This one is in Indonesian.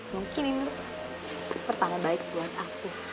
mungkin ini pertama baik buat aku